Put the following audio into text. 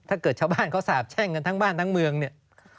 ถ้าเกิดชาวบ้านเขาสาบแช่งกันทั้งบ้านทั้งเมืองเนี่ย